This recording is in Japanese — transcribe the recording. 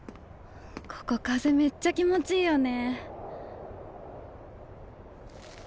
ここ風めっちゃ気持ちいいよね。